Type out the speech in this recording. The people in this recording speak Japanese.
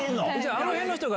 あの辺の人が。